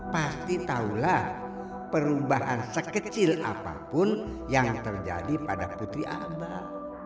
pasti tahulah perubahan sekecil apapun yang terjadi pada putri ambal